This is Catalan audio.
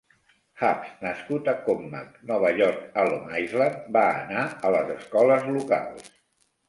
Hubbs, nascut a Commack, Nova York a Long Island, va anar a les escoles locals.